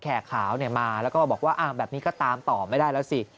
ขาวมาแล้วก็บอกว่าแบบนี้ก็ตามต่อไม่ได้แล้วสิ